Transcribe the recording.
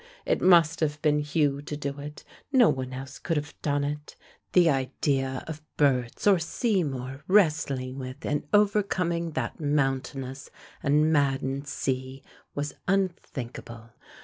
It must have been Hugh to do it, no one else could have done it. The idea of Berts or Seymour wrestling with and overcoming that mountainous and maddened sea was unthinkable.